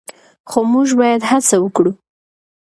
خو موږ باید هڅه وکړو.